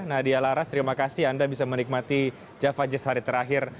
nadia laras terima kasih anda bisa menikmati java jazz hari terakhir